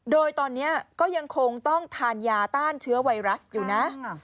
โดยตอนนี้ก็ยังคงต้องทานยาต้านเชื้อไวรัสอยู่นะ